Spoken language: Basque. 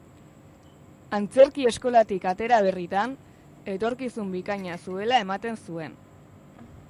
Antzerki eskolatik atera berritan, etorkizun bikaina zuela ematen zuen.